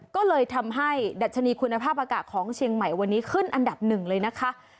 ก็เลยทำให้ดัชนีคุณภาพอากาศของเชียงใหม่วันนี้ขึ้นอันดับหนึ่งเลยนะคะ